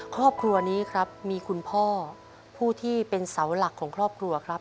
ครอบครัวนี้ครับมีคุณพ่อผู้ที่เป็นเสาหลักของครอบครัวครับ